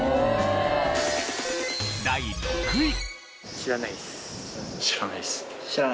第６位。